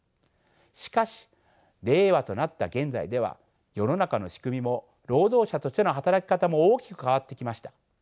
しかし令和となった現在では世の中の仕組みも労働者としての働き方も大きく変わってきました。